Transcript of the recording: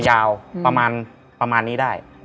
ยาวประมาณนี้ได้